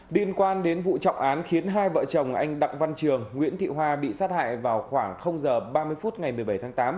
liên quan đến vụ trọng án khiến hai vợ chồng anh đặng văn trường nguyễn thị hoa bị sát hại vào khoảng h ba mươi phút ngày một mươi bảy tháng tám